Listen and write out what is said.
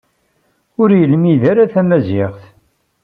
Ur yelmid ara tamaziɣt.